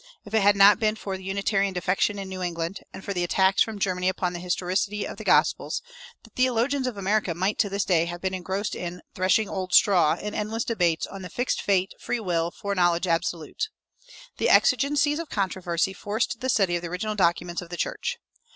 If it had not been for the Unitarian defection in New England, and for the attacks from Germany upon the historicity of the gospels, the theologians of America might to this day have been engrossed in "threshing old straw" in endless debates on "fixed fate, free will, foreknowledge absolute." The exigencies of controversy forced the study of the original documents of the church.